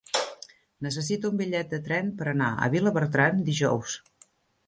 Necessito un bitllet de tren per anar a Vilabertran dijous.